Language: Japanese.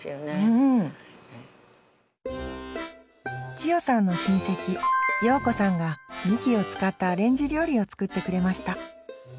千代さんの親戚葉子さんがみきを使ったアレンジ料理を作ってくれました。